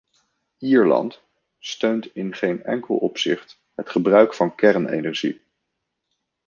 Ierland steunt in geen enkel opzicht het gebruik van kernenergie.